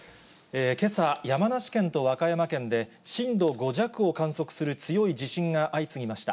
けさ、山梨県と和歌山県で、震度５弱を観測する強い地震が相次ぎました。